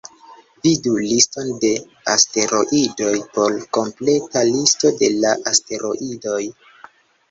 Vidu "Liston de asteroidoj" por kompleta listo de la asteroidoj.